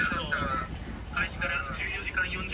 開始から１４時間４０分。